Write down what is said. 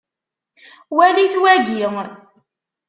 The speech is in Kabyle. Walit wagi.